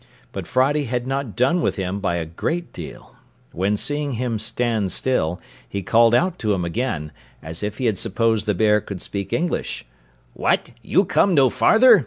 But Friday had not done with him by a great deal; when seeing him stand still, he called out to him again, as if he had supposed the bear could speak English, "What, you come no farther?